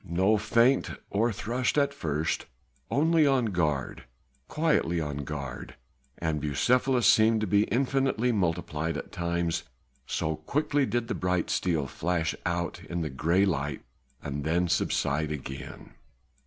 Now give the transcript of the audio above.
No feint or thrust at first, only on guard, quietly on guard, and Bucephalus seemed to be infinitely multiplied at times so quickly did the bright steel flash out in the grey light and then subside again.